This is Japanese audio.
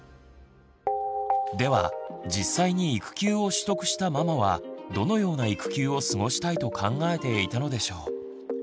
では実際に育休を取得したママはどのような育休を過ごしたいと考えていたのでしょう？